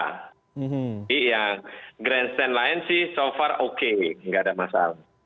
jadi yang grandstand lain sih so far oke nggak ada masalah